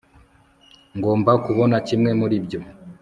ngomba kubona kimwe muri ibyo